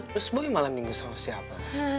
terus boy malam minggu sama siapa